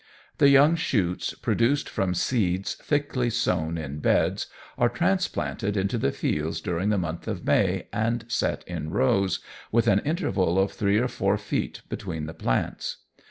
The young shoots produced from seeds thickly sown in beds, are transplanted into the fields during the month of May, and set in rows, with an interval of three or four feet between the plants.